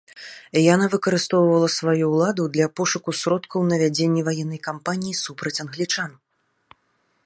Яна выкарыстоўвала сваю ўладу для пошуку сродкаў на вядзенне ваеннай кампаніі супраць англічан.